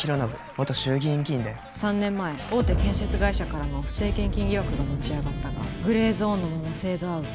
元衆議院議員だよ。３年前大手建設会社からの不正献金疑惑が持ち上がったがグレーゾーンのままフェードアウト。